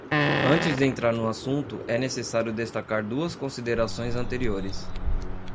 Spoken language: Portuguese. Antes de entrar no assunto, é necessário destacar duas considerações anteriores.